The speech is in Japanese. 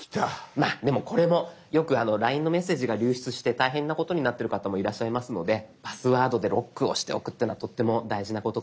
まあでもこれもよくＬＩＮＥのメッセージが流出して大変なことになってる方もいらっしゃいますのでパスワードでロックをしておくというのはとっても大事なことかと思います。